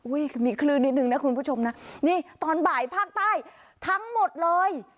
มีคลื่นนิดนึงนะคุณผู้ชมนะนี่ตอนบ่ายภาคใต้ทั้งหมดเลย